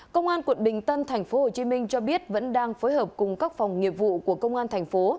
công an quận bình tân tp hcm cho biết vẫn đang phối hợp cùng các phòng nghiệp vụ của công an thành phố